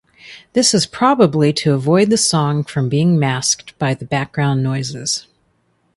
This is probably to avoid the song from being masked by the background noises.